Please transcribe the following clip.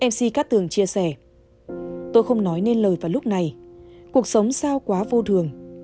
mc cát tường chia sẻ tôi không nói nên lời vào lúc này cuộc sống sao quá vô thường